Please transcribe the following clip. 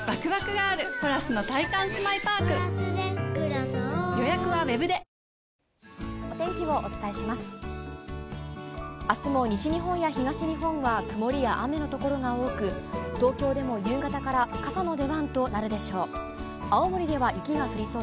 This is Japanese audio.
あすも西日本や東日本は曇りや雨の所が多く、東京でも夕方から傘の出番となるでしょう。